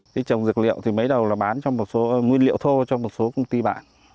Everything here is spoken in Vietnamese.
trồng dược liệu thì mấy đầu là bán trong một số nguyên liệu thô trong một số công ty bạn